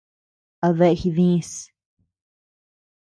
¿A dea jidis?